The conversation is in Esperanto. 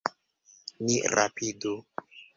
Ni rapidu.